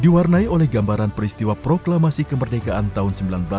diwarnai oleh gambaran peristiwa proklamasi kemerdekaan tahun seribu sembilan ratus delapan puluh